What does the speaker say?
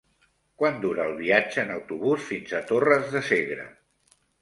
Quant dura el viatge en autobús fins a Torres de Segre?